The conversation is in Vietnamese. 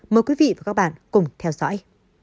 mời quý vị và các bạn cùng theo dõi